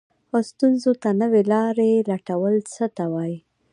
ستونزو ته نوې حل لارې لټول څه ته وایي؟